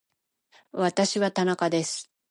私は田中です